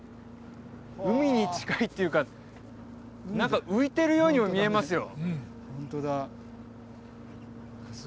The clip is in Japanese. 海に近いっていうか何か浮いてるようにも見えますよ